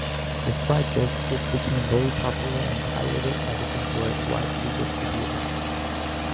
Despite this, it became very popular and pirated editions were widely distributed.